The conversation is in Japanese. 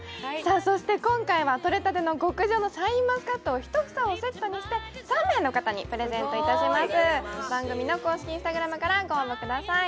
そして、今回はとれたての極上のシャインマスカットを１房をセットにして、３名の方にプレゼントします。